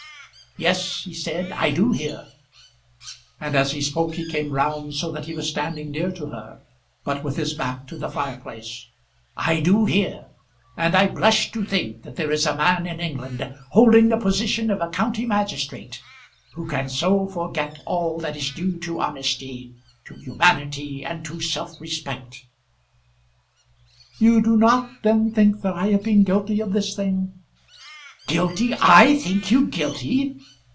"Yes, he said; I do hear;" and as he spoke he came round so that he was standing near to her, but with his back to the fireplace. "I do hear, and I blush to think that there is a man in England, holding the position of a county magistrate, who can so forget all that is due to honesty, to humanity, and to self respect." "You do not then think that I have been guilty of this thing?" "Guilty I think you guilty!